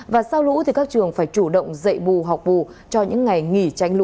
và sau lũ thì các trường phải chủ động dạy bù học bù cho những ngày nghỉ tranh lũ